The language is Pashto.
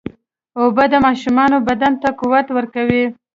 اوبه د ماشوم بدن ته قوت ورکوي.